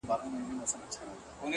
اوښکي يې مخ ته څڅول او ژړا څه ضرورت